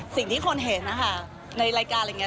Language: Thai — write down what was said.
สิ่งที่คนเห็นนะคะในรายการอะไรอย่างนี้